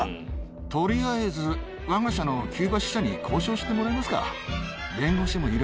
とりあえず、わが社のキューバ支社に交渉してもらいますか。